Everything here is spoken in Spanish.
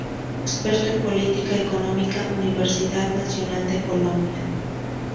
Experto en política económica, Universidad Nacional de Colombia.